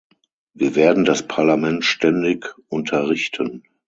Wir werden das Parlament ständig unterrichten.